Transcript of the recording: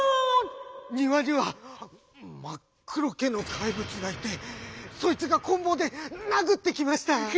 「にわにはまっくろけのかいぶつがいてそいつがこんぼうでなぐってきました」。